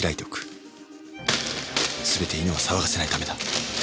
すべて犬を騒がせないためだ